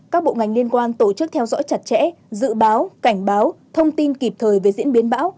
các bộ ngành liên quan tổ chức theo dõi chặt chẽ dự báo cảnh báo thông tin kịp thời về diễn biến bão